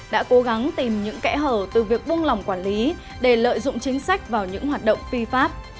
đã cố gắng tìm những kẽ hở từ việc buông lòng quản lý để lợi dụng chính sách vào những hoạt động phi pháp